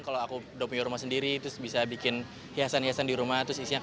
kalau aku dokter rumah sendiri terus bisa bikin hiasan hiasan di rumah